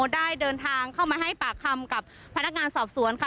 ได้เดินทางเข้ามาให้ปากคำกับพนักงานสอบสวนค่ะ